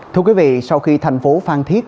thưa quý vị sau khi thành phố phan thiên